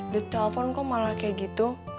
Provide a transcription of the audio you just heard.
dia telfon kok malah kayak gitu